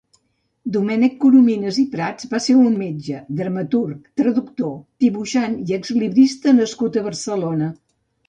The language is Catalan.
Domènec Corominas i Prats va ser un metge, dramaturg, traductor, dibuixant i exlibrista nascut a Barcelona.